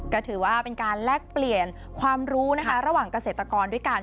ก็ถือว่าเป็นการแลกเปลี่ยนความรู้นะคะระหว่างเกษตรกรด้วยกัน